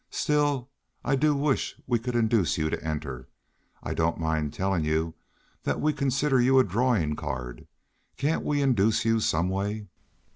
Still, I do wish we could induce you to enter. I don't mind telling you that we consider you a drawing card. Can't we induce you, some way?"